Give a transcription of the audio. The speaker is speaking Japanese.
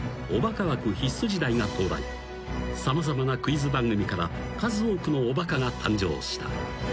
［様々なクイズ番組から数多くのおバカが誕生した］